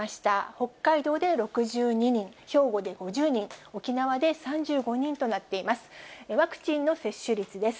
北海道で６２人、兵庫で５０人、沖縄で３５人となっています。